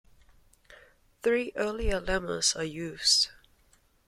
Three earlier lemmas are used.